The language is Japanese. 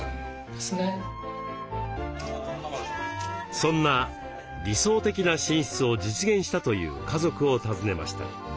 そんな理想的な寝室を実現したという家族を訪ねました。